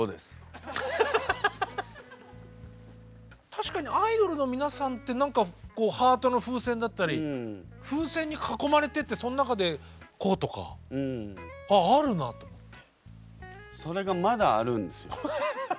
確かにアイドルの皆さんってハートの風船だったり風船に囲まれててその中でこうとかあああるなと思って。